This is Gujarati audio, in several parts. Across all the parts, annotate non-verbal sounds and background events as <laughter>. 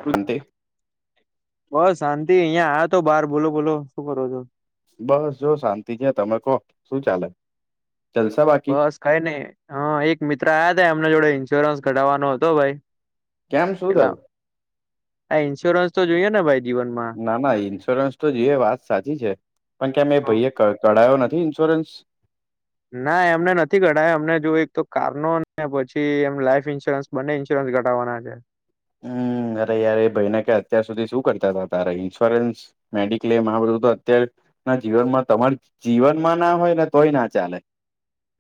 <unintelligible> બસ શાંતિ અહિયાં આ તો બાર બોલો બોલો શું કરો છો. બસ જો શાંતિ છે તમે કહો શું ચાલે ચાલસા બાકી બસ કઈ નહી હ એક મિત્ર આયા હતા એમને જોડે ઈન્સ્યોરન્સ કઢાવવાનો હતો ભાઈ કેમ શું એટલા થયું. આ ન્સ્યોરન્સ તો જોઈ ને ભાઈ જીવનમાં ના ના ઇન્સ્યોરન્સ તો જો એ વાત સાચી છે પણ કેમ એ હા. ભાઈ કરાયો નથી ઇન્સ્યોરન્સ ના એમને નથી કઢાય અમને જો એક તો કારનો પછી એમ લાઈફ ઈન્સ્યોરન્સ બંને ઇન્સ્યોરન્સ ઘટાવાના છે. હમ્મ અરે યાર એ ભાઈને કે અત્યાર સુધી શું કરતા હતા તારે ઇન્સ્યોરન્સ મેડિક્લેમ આ બધું તો અત્યાર ના જીવનમાં તમાર જીવનમાં ના હોય ને તોય ના ચાલે.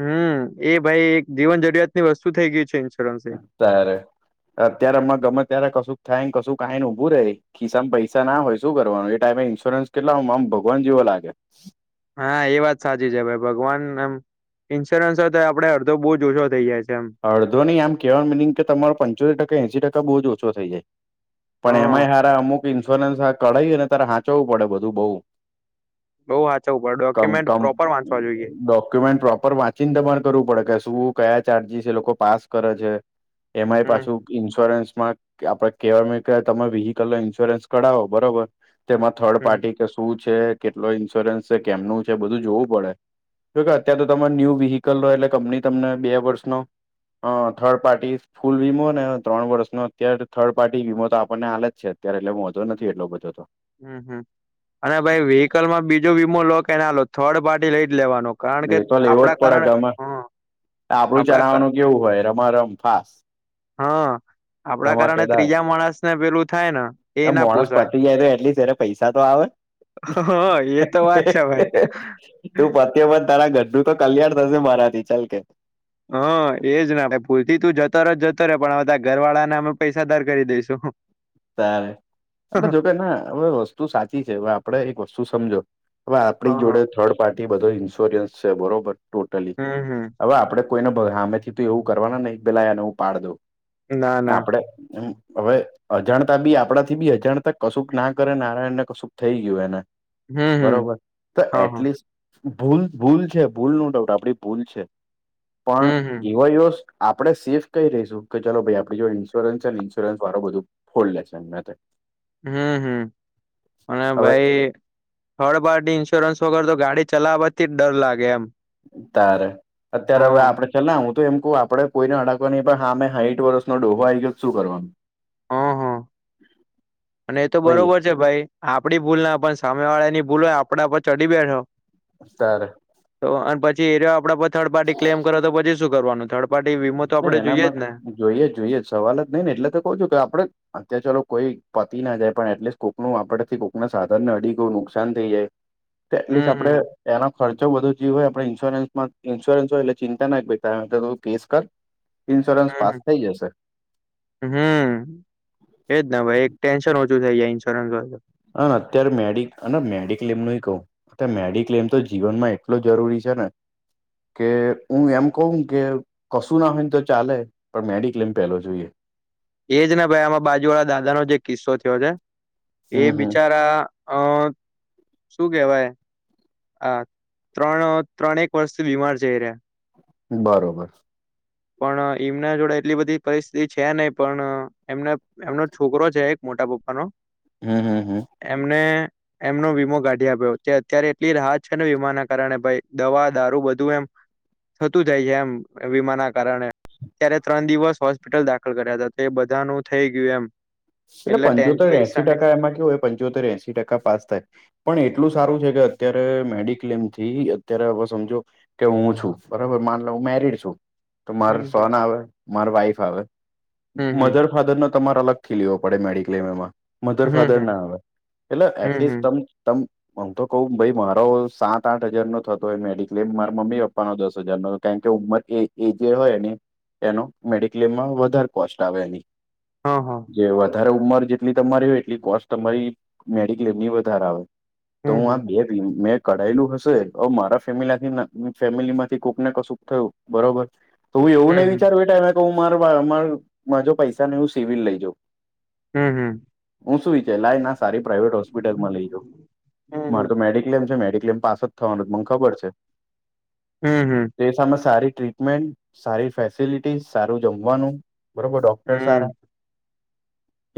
હમ્મ એ ભાઈ એક જીવન જરૂરિયાત ની વસ્તુ થઇ ગયઈ છે. ઇન્સ્યોરન્સ એ અત્યારે અત્યારે અમાં ગમે ત્યારે કશુંક થાયને કશું કાય ને ઊભું રે ખિસ્સામાં પૈસા ના હોય શું કરવાનું એ ટાઈમે ઇન્સ્યોરન્સ કેટલા આમ ભગવાન જેવો લાગે હા એ વાત સાચી છે ભાઈ ભગવાન એમ ઇન્સ્યોરન્સ હતો તો આપડ અડધો બહુ ઓછો થઈ જાય છે એમ અડધો નહી આમ કેહેવા મિનિ કે તમારો પંચોતેર ટકા એસી ટકા બહુ જ ઓછો થઈ જાય પણ હા એમાંય સારા અમુક ઈન્સ્યોરન્સ કઢાઈ અને તારે હાચવું પડે બધું બહુ બઉ વાંચવું પડે ક ડોક્યુમેન્ટ પ્રોપર વાંચવા જોઈએ ડોક્યુમેન્ટ પ્રોપર વાંચ ચિંતા પણ કરવું પડે કે શું કયા ચાર્જીસ એ લોકો પાસ કરે છે એમાંય હમ પાછું ઈન્સ્યોરન્સ માં આપડે કહેવા કે તમે વ્હીકલ ન ઈન્સ્યોરન્સ કરાવો બરોબર તેમાં થર્ડ હમ પાર્ટી કે શું છે કેટલો ઇન્સ્યોરન્સ છે કેમનું છે બધું જોવું પડે જોકે અત્યારે તો તમામે ન્યુ વ્હીકલ હો એટલે કંપની તમને બે વર્ષનો હ થર્ડ પાર્ટી ફૂલ વીમો ને ત્રણ વર્ષનો અત્યારે થર્ડ પાર્ટી વીમો તો આપણને આલે જ છે અત્યારે એટલે મોંધો નથી એટલો બધો તો હમ હમ અને ભાઈ વ્હીકલ માં બીજો વીમો લો કે ના લો થર્ડ પાર્ટી લઈ જ લેવાનો કારણ બે કે તોાલ એવો જ આપડા પડે કારણે ગામાં હા આપડું આપડા કા ચલાવવાનું કેવું હોય રમા રમ ફાસ હા આપડા કારણે ધમાકેદાર ત્રીજા માણસને પેલું થાય ને એ ના માણસ પોસાય પતી જાય તો એટલી પૈસા તો આવે હા એ તો વાત છે ભાઈ તું પત પણ તારા ગઢું તો કલ્યાણ થશે મારા થી ચાલ કે હા એજ ના આપે પૂરથી તું જતો ર જતો રહેે પણધ ઘર વાળાને અમે પૈસા દાર કરી દઈશુ તારે જોકે ના હવે વસ્તુ સાચી છે હવે આપડે એક વસ્તુ સમજો હવે આપણી હા જોડે થર્ડ પાર્ટી બધો ઇન્સ્યોરન્સ છે બરોબર ટોટલી હમ હમ હવે આપણે કોઈનેમે થી તો એવું કરવા નહી પેલાનેવું પાડ દો ના ના આપડે એમ હવે અજાણતા બી આપણાથી બી અજાણતા કશુંક ના કરે નારાયણને કશુંક થઈ ગયું એને હમ હમ બરોબર તો હા હા એટલીસ્ટ ભૂલ ભૂલ છે ભૂલ નો ડાઉટ આપડી ભૂલ છે પણ હમ હમ એવા આપડે સેફ કઈ રહીશું કે ચલોો ભાઈ આપ જો ઇન્સ્યોરન્સ છે ને ઇન્સ્યોરન્સ વાું બધું ફોડલે છે મે હમ હમ અને હવે ભાઈ હળ બારની ઇન્સ્યોરન્સ વગર તો ગાડી ચલાવવાથી જ ડર લાગે એમ તારે અત્યારે હા હવે આપડે છેલ્લા હું તો એમ કહ આપડ કોઈને અડાકવા નઈં પણ હા મેં સાઈઠ વર્ષનોો ડોહો આવી ગયો શું કરવાનું હા હા હ અને એ તો બરોબર છે ભાઈ આપડી ભૂલ ના પણ સામે વાળા ની ભૂલ હોય આપણા પર ચડી બેઠો સાર તો અને પછી એરયો આપડે થર્ડ પાર્ટી ક્લેમ કરો તો પછી શું કરવાનું થર્ડ પાર્ટી વીમો તો આપડે એના જોઈએ જ ને માટે જોઈએ જ જોઈએ જ સવાલ જ નઈ ને એટલે તો કહ છું કે આપડ અત્યારે ચાલો કોઈ પતિ ના જાય પણ એટલીસ્ટ કોકનું આપડથી કોકના સાધન ને અડીું નુકસાન થઈ જાય એટલીસ્ટ હમ આપડે હમ એના ખર્ચો વધુ જે હોય આપણે ઈન્સ્યોરન્સમાં ઈન્સ્યોરન્સ હોય એટલે ચિંતા નાક વ્યક્ ફેસ કર ઇન્સ્યોરન્સ પાસ હમ થઇ જશે હમ એજ ના ભાઈ એક ટેન્શન ઓછું થઈ જાય ઇન્સ્યોરન્સ હોય તો. હ અત્યારે મેડ મેડિક્લેમ ન કહું. અ મેડિક્લેમ તો જીવનમાં એટલ જરૂરી છે ને કે હું એમ કવું કે કશું ના હોય ને તો ચાલે પણ મેડિક્લેમ પહેલો જોઈએ એજ ને ભાઈ આમાં બાજુ વાળા દાદાનોો જે કિસ્સો થયો છે હમ એ હમ બિચારા અ શું કેવાય હા ત્રણ ત્રણેક વર્ષથી બીમાર જઈ રહ્યા બરોબર પણ એમના જોડે એટલી બધી પરિસ્થિતિ છે નહ પણ એમને એમનો છોકરો છે એક મોટા પપ્પાનો હમ હમ હમ એમને એમનો વીમો કાઢી આપ્યો જે અત્યારે એટ રાહત છે ને વીમાના કારણે ભ દવા દારૂ બધું એમ થતું જાય છે એમ વીમા ના કારણે. ત્યારે ત્રણ દિવસ હોસ્પિટલ દાખલ કર્યા હતા તો એ બધાનું થઈ ગયું એમ એટલે ટેન પંચોતેર એસી પૈસાની ટકા એમાં કેવું હોય પંચોતેર એસી ટકા પાસ થાય. પણ એટલું સારું છે કે અત્યારે મેડિક્લેમ થી અત્યારે હવે સમજો કે હું છું બરોબર માન હું મેરીડ છું. તો માર હમ હમ સન આવે માર વાઈફ આવે હમ મધર ફાધર નો તમારા અલગ લે પડે મેડિકલેમ એમાં હમ મધર ફાધર હમ ના આવે એટલે હમ હમ હમ એટલીસ્ટ તમ તમ હમ તો કઉ ભાઈ મારો સાત આઠ હજાર નો થતો હોય મેડિક્લેમ મારા મમ્મી પપ્પાનો દસ હજારો કારણ કે ઉંમર એ એ જે હોય એનો મેડિક્લેમમાં વધારે કોસ્ટ આવે એની હ હા જે વધારે ઉંમર જેટલી તમારી હોય એટલી કોસ્ટ તમારી મેડિક્લેમની વધારે આવે તો હમ હું આ હમ બે મેં કરાયેલું હશે મારા ફેમિલાથી ફેમિલી માંથી કોક ને કશુંક થયું બરોબર તો હું એવું નહીં હમ વિચારું એા એમે કહ મા મા મા જોો પૈસા નને હું સિવિલ લઈ જાઉં. હમ હમ હું શું વિચાર લાઈ ને આ સારી પ્રાઇવેટ હોસ્પિટલમાં લઈજ હમ હમ મારે તો હમ મેડિક્લેમ છે મેડિક્લેમ પાસ થવાનું મને ખબર છે હમ હમ તે સામે સારી ટ્રીટમેન્ટ સારી ફેસિલિટીસ સારું જમવાનું બરોબર ડોક્ટર સારા હમ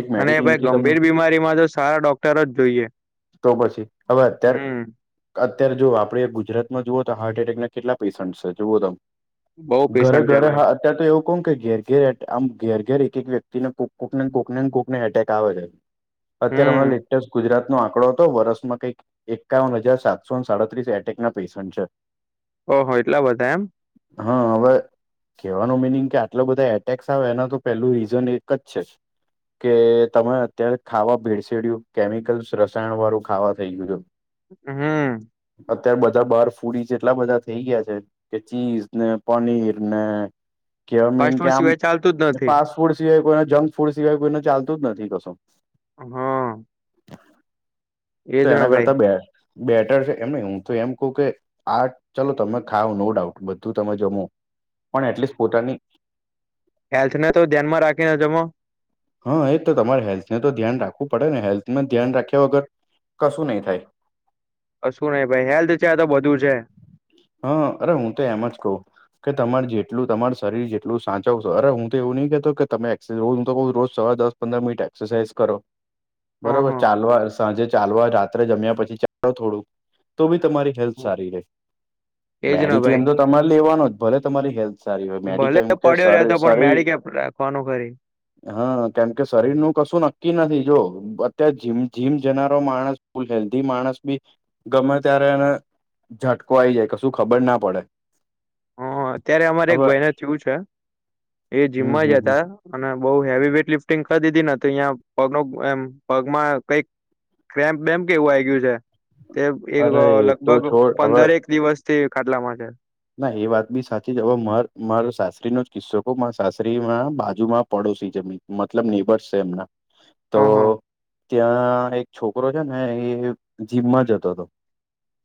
એક અને ભાઈ મેડિક્લેમથી તમને ગંભીર બીમારીમાં તો સારા ડોક્ટર જ જોઈએ તો પછી હવે અત્યારે હમ અત્યારે જોુ આપડે ગુજરાતમાં જુઓ તો હાર્ટ એટેક ના કેટલા પેશન્ટ છે જુઓ તમ બઉ ઘરે પેશન્ટ છે ઘરે ભાઈ હા અત્યારે તો એવું કોણ કે ઘેર ઘેર આમ ઘેર ઘેર એક એક વ્યક્તિને કોકને કોકને કોકને એટેક આવે છે અત્યારે હમણાં હમ લેટેસ્ટ ગુજરાત નો આંકડો હતો વરસ કઈક એકાવન હજાર સાતસો સાડત્રીસ એટેક ના પેશન્ટ છે ઓહ એટલા બધા એમ હા હવે કેહેવાનું મિનિંગ કે આટલો બધા એટેક્સ આવે એના તો પેલું રીઝન એક જ અચ્છા. કે તમે અત્યારે ખાવા ભેડસેડ્યું કેમિકલ્સ રસાયણ વાળું ખાવા થઈ ગયું હમ અતાર બધા બાર ફૂડી છે એટલા બધા થઈ ગયા છે કે ચીઝ ને પનીર ને કેમ ફાસ્ટ કે ફૂડ આમ સિવાય ચાલતું જ નથી પા ફૂડ સિવાય કોઈ જંક ફૂડ સિવાય કોઈને ચાલતું જ નથી કશું હા તો એજ ને એના ભાઈ કરતા બે બેટર છે એમ ન હું તો એમ કહ કે આ ચાલો તમે ખાાવ નો ડાઉટ બધું તમે જમો પણ એટલીસ્ટ પોતાની હેલ્થ ને તો ધ્યાનમાં રાખીને જમો. હા એજ તો તમારે હેલ્થને તો ધ્યાન રાખવું પડે ને હેલ્થ ન ધ્યાન રાખ્યા વગર કશું નહી થાય શું નહિ ભાઈ હેલ્થ છે તો બધું છે હા અરે હું તો એમ જ કહું. કે તમારે જેટલું તમાર શરીર જેટલું સાચવશે અરે હું તો એવું નહીં કતો કે તમે એક્સા રોજ હું તો કું રોજ સવારે દસ પંદર મનિટ એક્સરસાઇઝ કરો હ હ બરોબર ચાલવા સાંજે ચાલવા રાત્રે જમ્યા પછી ચાલો થોડું તો બી તમારી હલ્ સારી રે એજ ના ભાઈ મેડિક્લેમ તો તમારે લેવાનો જ ભલે તમારી હેલ્થ સારી હોય મેડિક્લેમ કે સરી કોનો કરી હા કેમ કે શરીર નું કશું નક્કી નથી જો અત્યારે જમ જીમ જનારો માણસ લ હેલ્ધી માણસ બી ગમે ત્યારે એને ઝટકો આવી જાય શું ખબર ના પડે હ અત્યારે અમારે એક હવે ભાઈને થયું છે એ હમ જીમમાં હમ હમ જતા અને બહુ હેવી વેઇટ લિફ્ટિંગ કરી દીધીને તો અહીં પગ ન એમ પગમાં કઈક કમ બેમ કેવું આવી ગયું છે તે એક અરે એ તો લગભગ છોડ હવે પંદર એક દિવસ તે ખાટલામાં છે ના એ વાત બી સાચી જ હવે માર સાસરીનોો જ કિસ્સો મારા સાસરીમાં બાજુ માં પડોશી જમીન મતલબ નિનીભરશે એમના તો હ હ ત્યાં એક છોકરો છે ને એ જીમમાં જતો હતો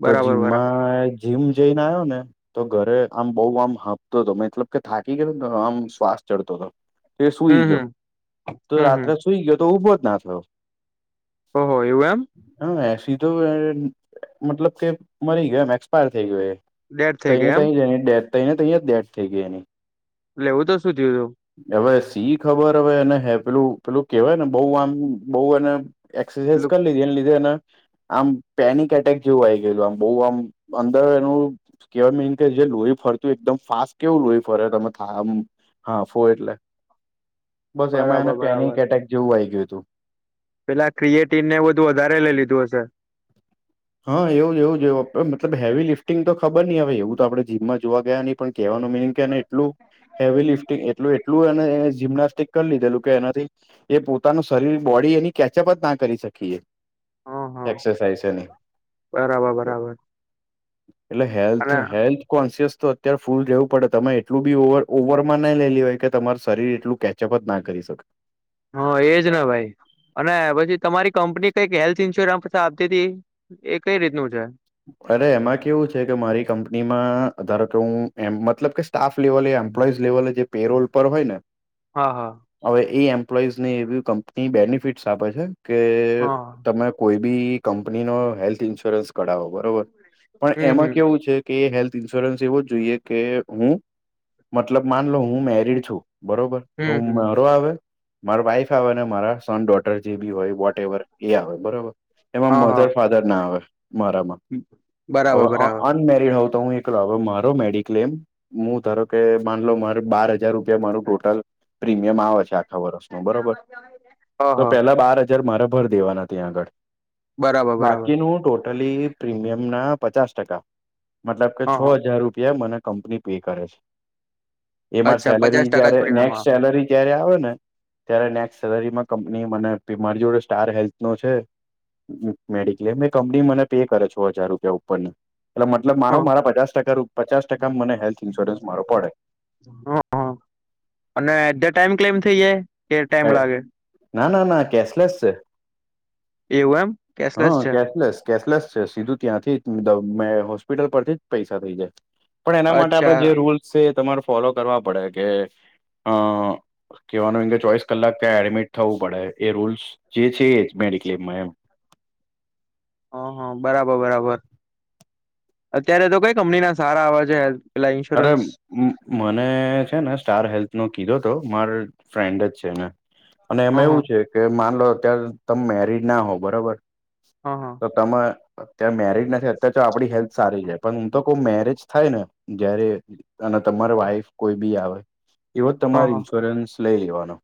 તો બરાબર બરાબર જીમમાં જીમ જઈને આવ્યો ને તો ઘરે આમ બઉુ આમ હાપતો હતો મતલબ કે થાકી ગયોને આમ શ્વાસ ચડતો હતો તે હમ સુૂઈ ગયો હમ તો હમ હમ રાત્રે સુૂઈ ગયો તો ઉઊભો જ ના થયો ઓહ એવું એમ હ એ સધો મતલબ કે મરી ગયો એમ એક્સપાયર થઈ ગયોું એ ડેડ થઈ તને ગઈ ત એમ જ એની ડેથ થને ત જ ડેથ થઈ ગઈ એની લેવું તો શું થયું હતું હવે સી ખબર હવે અને હે પેલું પેલું કેવાયને બહ આમ બહ એ એક્સરસાાઈઝ પેલું કરી લીધી એને લીધે એ આમ પેનિક એટેક જેવું આ ગયેલું આમ બહ આમ અંદર એનું કેવાય મેન કે જે લોહી ફરતું એકદમ ફાસ્ટ કેવું લોહી ફરે તમે થા આ હા ફો એટલે બસ એમાં બરાબર એને બરાબર પેનિક એટેક જેવું આવીઈ ગયું હતું પેલા ક્રિએટ ને બધું વધારે લઈ લીધું હશે હા એવું એવુંવું મતલબ હેવી લિફ્ટિંગ તો ખબર નહી હવે એવું તો આપણે જીમમાં જોવા ગયા નહી પણ ક કેહેવાનું મિનિંગ કેને એટલું હેવી લિફ્ટિંગ એટલું એટલું અને જિમ્નાસ્ટિક કરી લીધેલું કે એનાથી એ પોતાનું શરીર બોડી એની કેચઅપ જ ના કરી શકીએ હા હા એક્સરસાઇઝ એની બરાબર બરાબર એટલે હેલ્થ અને હેલ્થ કોન્સિયસ તો અત્યારે ફૂલ જવું પડે તમે એટલું બી ઓવર ઓવરમાં નહી લેલી હોય કે તમાર શરીર એટલું કેચઅપ જ ના કરી શકે હ એજ ના ભાઈ અને પછી તમારી કંપની કઈક હેલ્થ ઇન્સ્યોરન્સછ આપતી હતી એ કઈ રીતનું છે અરે એમાં કેવું છે કે મારી કંપનીમાં ધારો કે હું એમ મતલબ કે સ્ટાફ લેવલે એમ્પ્લોઈઝ લેવલે જે પેરોલ પર હોય ને હા હા હવે એ એમ્પ્લોઈઝ ને એવી કંપની બેનિફિટસ આપે છે કે હા તમે કોઈ બી કંપની નો હેલ્થ ઈન્સ્યોરન્સ કઢાવો બરોબર પણ હમ એમાં હમ કેવું છે કે હેલ્થ ઇન્સ્યોરન્સ એવો જોઈએ કે હું મતલબ માનલો હું મેરીડ છું બરોબર તો હમ હું હમ મારો આવે મારા વાઈફ આવે મારા સન ડોટર જે બી હોય વોટ એવર એ આવે બરોબર એમાં હા હા મધર ફાર આવેરા બરાબર હવે બરાબર અનમેરડ હોઉ તો હું હવે મારો મેડિક્લેમ હું ધારો કે માનલો મારે બાર હજાર રૂપિયા મારું ટોટલ પ્રીમિયમ આવે છે આખા વર્ષ ન બરોબર હ હ તો પેલા બાર હજ મા દેવા ત આ બરાબર બરાબર બાકીનું પ્રમિયમ ના પચાસ ટકા મતલબ કે છ હા હા હજાર રૂપિયા મને કંપની પે કરે છે એમાં અચ્છા પચાસ સેલરી ટકા જયારે જ પ્રીમિયમ નેક્સ્ટ આવે સેલરી ત્યારે આવે ને ત્યારે નેક્ સેલરી માં કંપની મને પી મારી જોડે સ્ટાર હેલ્થ નો છે મેડિક્લેમ એ કંપની મને પે કરે છો હજાર રૂપિયા ઉપર ને એટલે મતલબ મારો હા મારા પચાસ ટકા રૂપ પચાસ ટકા મને હેલ્થ ઇન્સ્યોરન્સ મારો પડે હ હ અને એટ ધ ટાઈમ ક્લેમ થઇ જાય કે હ ટાઈમ લાગે ના ના ના કેશલેસ છે એવું એમ હા કેશલેસ છે કેશલેસ કેશલેસ છે સીધું ત્યાંથી મે હોસ્પિટલ પરથી જ પૈસા થઇ જાય પણ એના માટે આપણે જે અચ્છા રૂલ્ તમારે ફોલો કરવા પડે કે અ કેવાનું એ કે ચોઈસ કલાક ક એડમિટ થવું પડે એ રૂલ્સ જે છે મેડિક્લેમમાં એમ હ હ બરાબર બરાબર અત્યારે તો કઈ કંપની ના સારા આવેવા છે પેલા અરે ઇન્સ્યોરન્સ મને છે ને સ્ટાર હેલ્થ નો કીધો તો માર ફ્રેન્ડ જ છે ને અને હ એમાં હ એવું છે કે માનલો અત્યારે તમે મેરીજ ના હો બરાબર હા હા તો તમે અત્યારે મેરીજ નથી અત્યારે તો આપણી હેલ્થ સારી જાય પણ હું તો કો મેરેજ થાય ને જયારે અને તમાર વાઈફ કોઈ બી આવે એવ હ તમાર હ ઇન્સ્યોરન્સ લઈ લેવાનો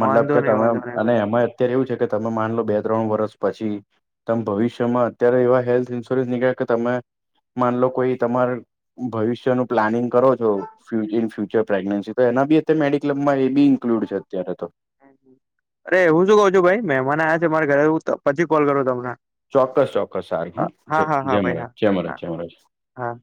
મતલબ વાંધો કે નહી તમે વાંધો નહી અને ભાઈ એમાં અત્યારે એવું છે કે તમે માન લો બે ત્રણ વર્ષ પછી ત ભવિષ્યમાં અત્યારે એવા હેલ્થ ઇન્સ્યોરન્સ નીકળ્યા કે તમે માન લો કોઈ તમાર ભવિષ્ય નું પ્લાનિંગ કરો છો ્ય ઇન ફ્યુચર પ્રેગ્નેન્સી તો એના બી અ મેડિક કલબમાં એ બી ઇન્ક્લુડ છે અત્યારે તો અરે હું શું કઉ છું ભાઈ મહેમાન આયા છે મારે ઘરે પી કોલ કરું તમને ચોક્કસ ચોક્કસ સારું હ હા હા મરેજ હા જે ભાઈ હા મરેજ હા જેમરેજ હા